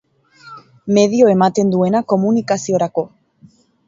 Medio ematen duena komunikaziorako.